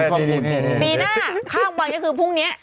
ปีหน้าข้างบนอย่างนี้คือพรุ่งเนี่ย